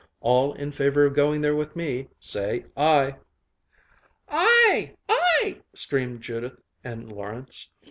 All in favor of going there with me, say 'Aye.'" "Aye!" screamed Judith and Lawrence.